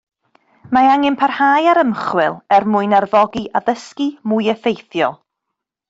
Mae angen parhau â'r ymchwil er mwyn arfogi addysgu mwy effeithiol.